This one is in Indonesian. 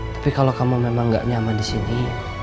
tapi kalo kamu memang gak nyaman disini